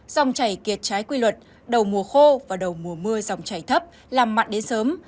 dòng chảy kiệt trái quy luật đầu mùa khô và đầu mùa mưa dòng chảy thấp làm mặn đến sớm